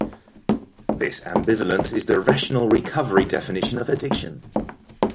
This ambivalence is the Rational Recovery definition of addiction.